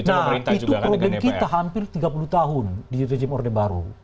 nah itu problem kita hampir tiga puluh tahun di rejim orde baru